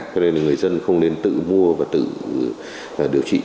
cho nên người dân không nên tự mua và tự điều trị